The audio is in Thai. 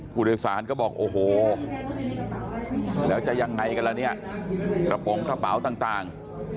ผู้โดยสารก็บอกโอ้โหแล้วจะยังไงกันล่ะเนี่ยกระโปรงกระเป๋าต่าง